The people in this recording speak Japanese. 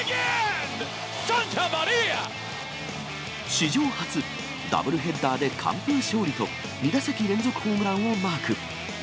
史上初、ダブルヘッダーで完封勝利と、２打席連続ホームランをマーク。